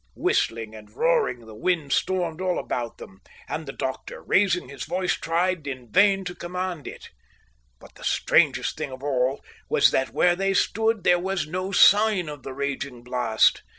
Whistling and roaring, the wind stormed all about them, and the doctor, raising his voice, tried in vain to command it. But the strangest thing of all was that, where they stood, there was no sign of the raging blast.